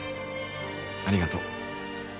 ありがとう。